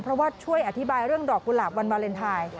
เพราะว่าช่วยอธิบายเรื่องดอกกุหลาบวันวาเลนไทย